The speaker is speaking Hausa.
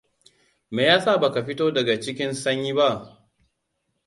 Me yasa baka fito daga cikin sanyi ba?